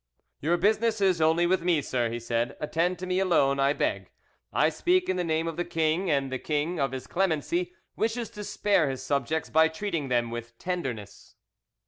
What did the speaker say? "Your business is only with me, sir," he said; "attend to me alone, I beg: I speak in the name of the king; and the king, of his clemency, wishes to spare his subjects by treating them with tenderness."